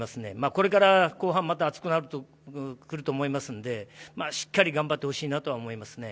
これから後半また暑くなってくると思いますので、しっかり頑張ってほしいなとは思いますね。